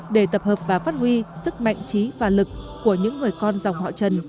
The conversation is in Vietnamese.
để tập hợp và phát huy sức mạnh trí và lực của những người con dòng họ trần